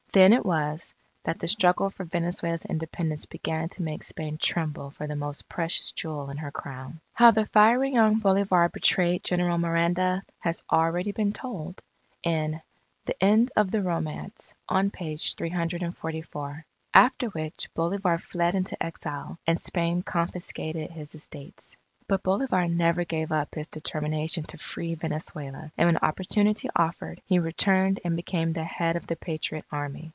Then it was, that the struggle for Venezuela's Independence began to make Spain tremble for the most precious jewel in her Crown. How the fiery young Bolivar betrayed General Miranda, has already been told in The End of the Romance, on page 344. After which Bolivar fled into exile; and Spain confiscated his estates. But Bolivar never gave up his determination to free Venezuela. And when opportunity offered, he returned and became the head of the Patriot Army.